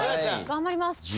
頑張ります。